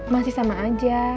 masih sama aja